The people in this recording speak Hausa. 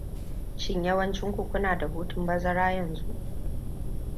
Shin yawancinku kuna da hutun bazara yanzu?